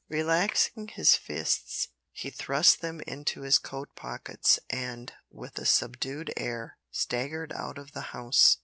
Relaxing his fists he thrust them into his coat pockets, and, with a subdued air, staggered out of the house.